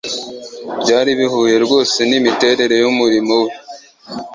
byari bihuye rwose n'imiterere y'umurimo we.